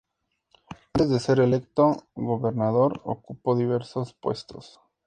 Antes de ser electo Gobernador ocupó diversos puestos.